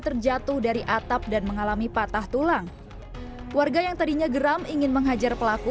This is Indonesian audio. terjatuh dari atap dan mengalami patah tulang warga yang tadinya geram ingin menghajar pelaku